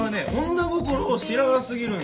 女心を知らな過ぎるんですよ。